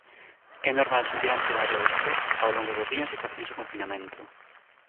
É normal sentir ansiedade ou estrés ao longo do día en situacións de confinamento.